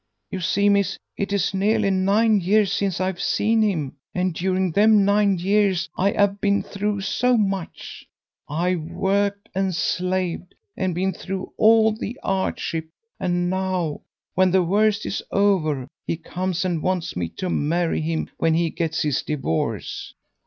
You see, miss, it is nearly nine years since I've seen him, and during them nine years I 'ave been through so much. I 'ave worked and slaved, and been through all the 'ardship, and now, when the worst is over, he comes and wants me to marry him when he gets his divorce."